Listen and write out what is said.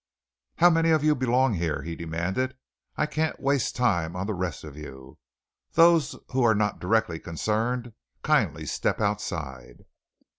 "How many of you belong here?" he demanded. "I can't waste time on the rest of you. Those who are not directly concerned, kindly step outside."